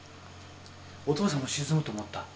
お父さんも沈むと思った？